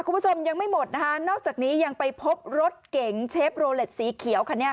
คุณผู้ชมยังไม่หมดนะคะนอกจากนี้ยังไปพบรถเก๋งเชฟโรเล็ตสีเขียวคันนี้